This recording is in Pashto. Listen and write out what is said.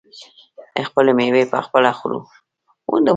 خپلې میوې پخپله خورو.